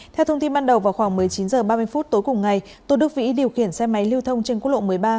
theo thông tin ban đầu vào khoảng một mươi chín h ba mươi phút tối cùng ngày tô đức vĩ điều khiển xe máy lưu thông trên quốc lộ một mươi ba